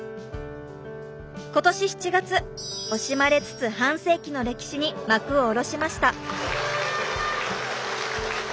今年７月惜しまれつつ半世紀の歴史に幕を下ろしました。